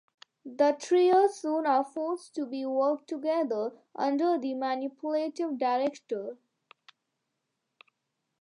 The trio soon are forced to work together under the manipulative Director.